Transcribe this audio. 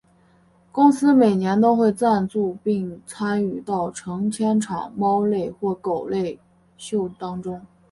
公司每年都会赞助并参与到成千场猫类或狗类秀当中。